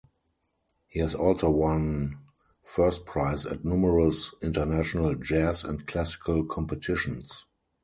He has also won first prize at numerous international jazz and classical competitions.